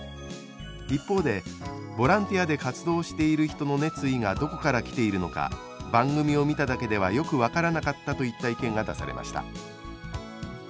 一方で「ボランティアで活動している人の熱意がどこから来ているのか番組を見ただけではよく分からなかった」といった意見が出されました。